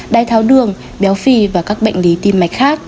đai tháo đường béo phì và các bệnh lý tim mạch khác